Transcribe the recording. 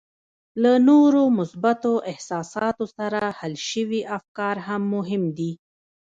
له نورو مثبتو احساساتو سره حل شوي افکار هم مهم دي